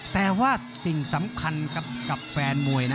แต่ว่าสิ่งสำคัญกับแฟนมวย